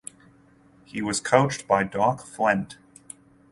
He was coached by "Doc" Flint.